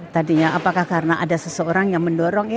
tadinya apakah karena ada seseorang yang mendorong